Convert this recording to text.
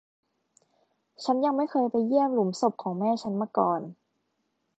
ฉันยังไม่เคยไปเยี่ยมหลุมศพของแม่ฉันมาก่อน